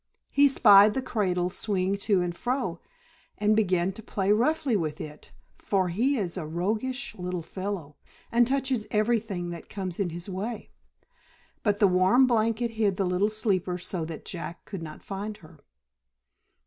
He spied the cradle swinging to and fro, and began to play roughly with it, for he is a roguish little fellow, and touches everything that comes in his way. But the warm blanket hid the little sleeper so that Jack could not find her.